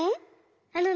あのね